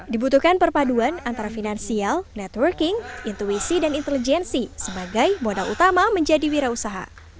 dibutuhkan perpaduan antara finansial networking intuisi dan intelijensi sebagai modal utama menjadi wira usaha